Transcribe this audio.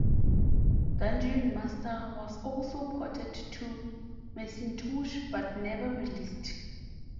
Dungeon Master was also ported to Macintosh but never released.